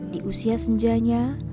di usia senjanya